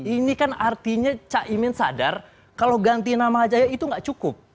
ini kan artinya caimin sadar kalau ganti nama aja itu nggak cukup